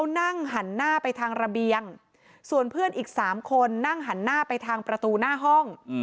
นั่งหันหน้าไปทางระเบียงส่วนเพื่อนอีก๓คนนั่งหันหน้าไปทางประตูหน้าห้อง